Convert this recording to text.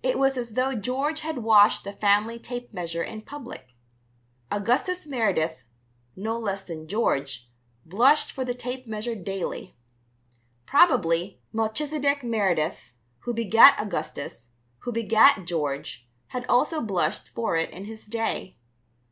It was as though George had washed the family tape measure in public. Augustus Meredith, no less than George, blushed for the tape measure daily. Probably, Melchizedek Meredith, who begat Augustus, who begat George, had also blushed for it in his day.